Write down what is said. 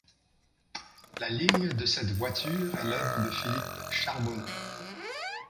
La ligne de cette voiture est l'œuvre de Philippe Charbonneaux.